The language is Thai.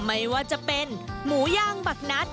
ไม่ว่าจะเป็นหมูย่างบักนัด